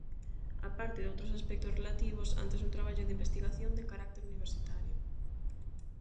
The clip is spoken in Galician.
Á parte doutros aspectos relativos antes un traballo de investigación de carácter universitario.